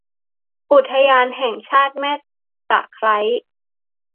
อุทยานแห่งชาติแม่ตะไคร้